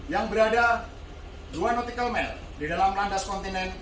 yang berada dua nautical mail di dalam landas kontinen